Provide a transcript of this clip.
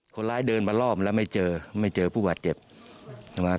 คนร้ายเดินมารอบแล้วไม่เจอไม่เจอผู้บาดเจ็บใช่ไหม